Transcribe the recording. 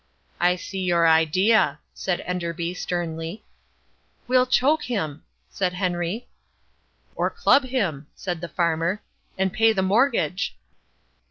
"I see your idea," said Enderby sternly. "We'll choke him," said Henry. "Or club him," said the farmer, "and pay the mortgage."